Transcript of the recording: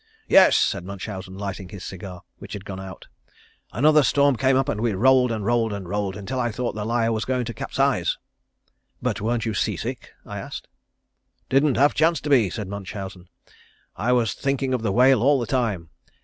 "Yes," said Munchausen, lighting his cigar, which had gone out. "Another storm came up and we rolled and rolled and rolled, until I thought The Lyre was going to capsize." "But weren't you sea sick?" I asked. "Didn't have a chance to be," said Munchausen. "I was thinking of the whale all the time.